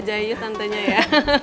ya santanya ya